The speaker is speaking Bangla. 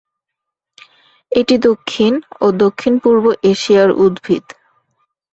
এটি দক্ষিণ ও দক্ষিণ-পূর্ব এশিয়ার উদ্ভিদ।